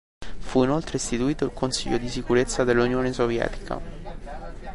Fu inoltre istituito il Consiglio di sicurezza dell'Unione Sovietica.